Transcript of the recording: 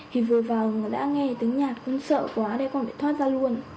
thì vừa vào đã nghe tiếng nhạc con sợ quá con phải thoát ra luôn